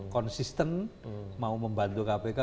konsisten mau membantu kpk